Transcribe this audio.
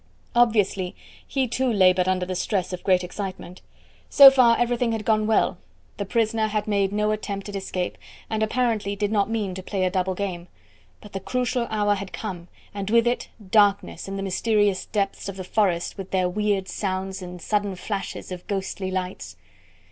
Obviously he too laboured under the stress of great excitement. So far everything had gone well; the prisoner had made no attempt at escape, and apparently did not mean to play a double game. But the crucial hour had come, and with it darkness and the mysterious depths of the forest with their weird sounds and sudden flashes of ghostly lights.